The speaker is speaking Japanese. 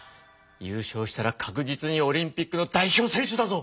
ゆうしょうしたら確実にオリンピックの代表選手だぞ！